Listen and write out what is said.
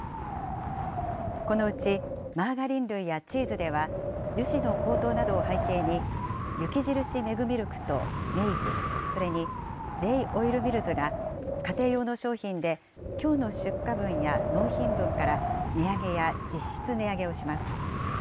このうちマーガリン類やチーズでは、油脂の高騰などを背景に、雪印メグミルクと明治、それにＪーオイルミルズが家庭用の商品で、きょうの出荷分や納品分から値上げや実質値上げをします。